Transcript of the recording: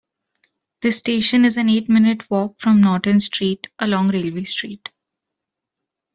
The station is an eight-minute walk from Norton Street, along Railway Street.